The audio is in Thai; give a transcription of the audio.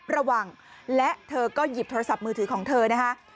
ระหว่างและเธอก็หยิบโทรศัพท์มือถือของเธอนะคะ